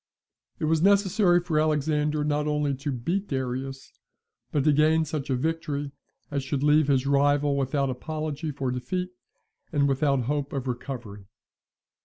It was necessary for Alexander not only to beat Darius, but to gain such a victory as should leave his rival without apology for defeat, and without hope of recovery.